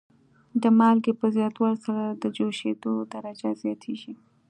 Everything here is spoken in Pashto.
د مالګې په زیاتولو سره د جوشیدو درجه زیاتیږي.